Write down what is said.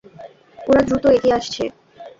ওরা দ্রুত এগিয়ে আসছে!